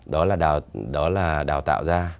đó là đào tạo ra